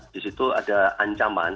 di situ ada ancaman